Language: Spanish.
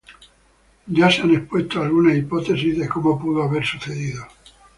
Se han expuesto algunas hipótesis de cómo pudo haber sucedido.